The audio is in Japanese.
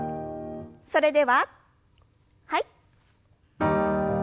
それでははい。